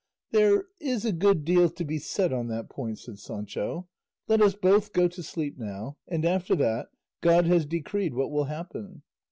"There is a good deal to be said on that point," said Sancho; "let us both go to sleep now, and after that, God has decreed what will happen.